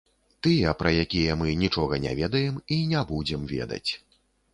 Тыя, пра якія мы нічога не ведаем і не будзем ведаць.